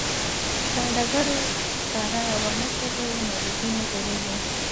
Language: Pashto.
که ډبرو سکاره ونه سوځوو نو لوګی نه جوړیږي.